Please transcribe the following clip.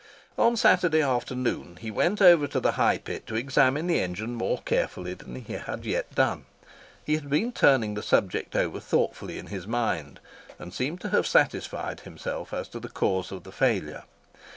One Saturday afternoon he went over to the High Pit to examine the engine more carefully than he had yet done. He had been turning the subject over thoughtfully in his mind; and seemed to have satisfied himself as to the cause of the failure.